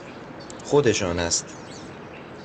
خودشان است.